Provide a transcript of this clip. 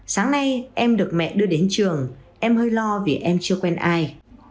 sáng nay em được mẹ đưa đến trường em hơi lo vì em chưa quen ai